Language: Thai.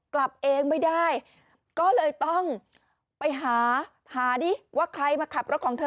กลับเองไม่ได้ก็เลยต้องไปหาหาดิว่าใครมาขับรถของเธอ